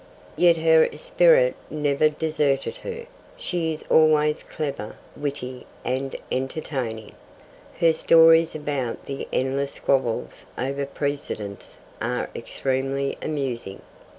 Yet her esprit never deserted her. She is always clever, witty, and entertaining. Her stories about the endless squabbles over precedence are extremely amusing.